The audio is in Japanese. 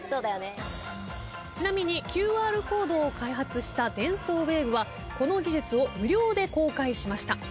ちなみにＱＲコードを開発したデンソーウェーブはこの技術を無料で公開しました。